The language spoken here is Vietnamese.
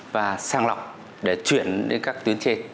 và sang lọc để chuyển đến các tuyến trên